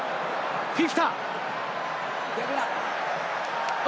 フィフィタ。